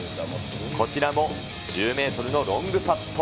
こちらも１０メートルのロングパット。